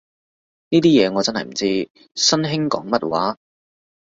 呢啲嘢我真係唔知，新興講乜話